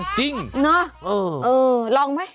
จริงเนอะลองไหม